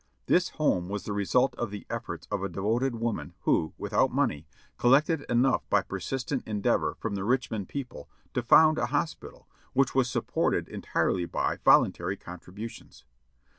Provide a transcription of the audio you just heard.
This home was the result of the efforts of a devoted woman who, without money, collected enough by persistent endeavor from the Richmond people to found a hospital, which was sup ported entirely by voluntary contributions.